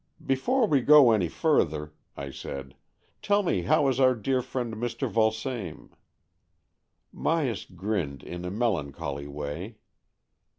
" Before we go any further," I said, " tell me how is our dear friend, Mr. Vulsame? " Myas grinned in a melancholy way.